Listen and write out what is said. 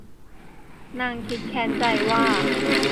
นางคิดแค้นใจว่า